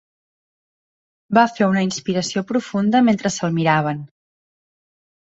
Va fer una inspiració profunda mentre se'l miraven.